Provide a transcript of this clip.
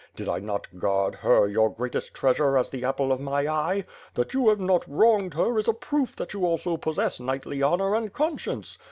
Did I not guard her, your greatest treasure, as the apple of my eye. That you have not wronged her, is a proof that you also possess knightly honor and conscience.